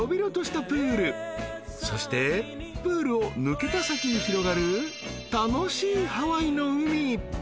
［そしてプールを抜けた先に広がる楽しいハワイの海］